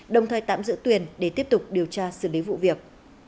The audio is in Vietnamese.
đồng thời tạm giữ tuyền để tiếp tục điều tra xử lý vụ việc